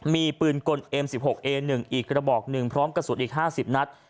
มีปืนกลเอ็มสิบหกเอหนึ่งอีกระบอกหนึ่งพร้อมกระสุนอีกห้าสิบนัด